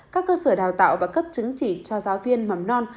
các cơ sở đào tạo và cấp chứng chỉ cho giáo viên mầm non